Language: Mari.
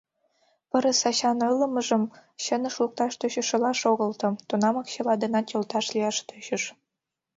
Пырыс ачан ойлымыжым чыныш лукташ тӧчышыла шогылто, тунамак чыла денат йолташ лияш тӧчыш.